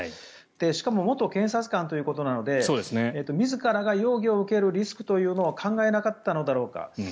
しかも元検察官ということなので自らが容疑を受けるリスクというのを考えなかったのだろうか。